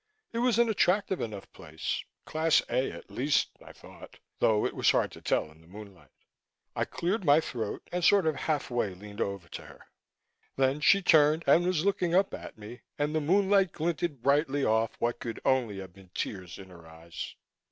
It was an attractive enough place Class A at least, I thought though it was hard to tell in the moonlight. I cleared my throat and sort of halfway leaned over to her. Then she turned and was looking up at me, and the moonlight glinted brightly off what could only have been tears in her eyes.